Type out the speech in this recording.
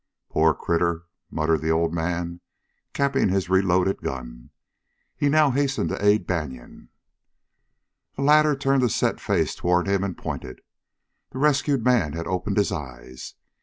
"Pore critter!" muttered the old man, capping his reloaded gun. He now hastened to aid Banion. The latter turned a set face toward him and pointed. The rescued man had opened his eyes.